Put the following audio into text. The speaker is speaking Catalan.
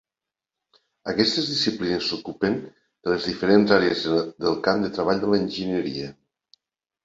Aquestes disciplines s'ocupen de les diferents àrees del camp de treball de l'enginyeria.